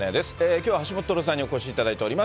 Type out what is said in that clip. きょうは橋下徹さんにお越しいただいています。